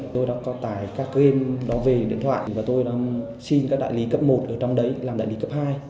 tôi đã có tải các game đó về điện thoại và tôi xin các đại lý cấp một ở trong đấy làm đại lý cấp hai